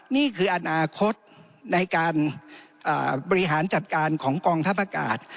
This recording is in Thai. นี่คืออนาคตในการบริหารจัดการของกองทัพอากาศ